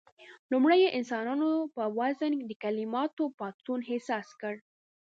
لومړيو انسانانو په وزن کې د کليماتو پاڅون احساس کړ.